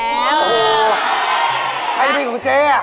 โอ้โฮใครจะเป็นของเจ๊